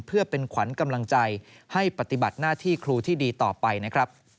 เพื่อเป็นขวัญกำลังใจให้ปฏิบัติหน้าที่ครูที่ดีต่อไปนะครับ